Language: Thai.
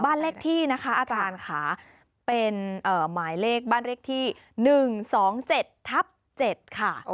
บ้านเลขที่นะคะอาจารย์ค่ะเป็นหมายเลขบ้านเลขที่๑๒๗ทับ๗ค่ะ